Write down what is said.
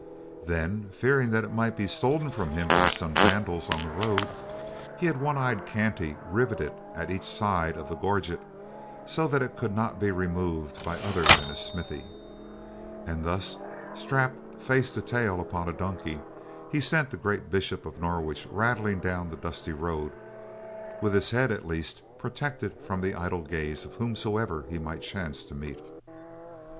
Then, fearing that it might be stolen from him by some vandals of the road, he had One Eye Kanty rivet it at each side of the gorget so that it could not be removed by other than a smithy, and thus, strapped face to tail upon a donkey, he sent the great Bishop of Norwich rattling down the dusty road with his head, at least, protected from the idle gaze of whomsoever he might chance to meet.